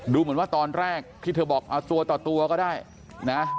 ดูเหมือนว่าตอนแรกที่เธอบอกเอาตัวต่อตัวก็ได้นะ